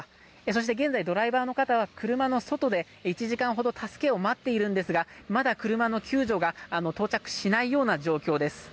そして現在ドライバーの方は車の外で１時間ほど助けを待っているんですがまだ車の救助が到着しないような状況です。